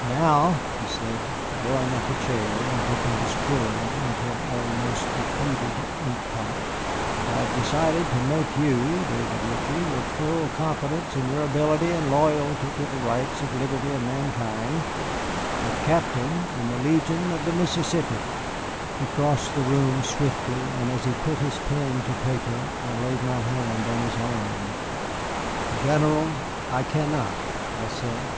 "Now," he said, drawing up a chair and dipping his quill into an almost depleted ink pot, "I have decided to make you, David Ritchie, with full confidence in your ability and loyalty to the rights of liberty and mankind, a captain in the Legion on the Mississippi." I crossed the room swiftly, and as he put his pen to paper I laid my hand on his arm. "General, I cannot," I said.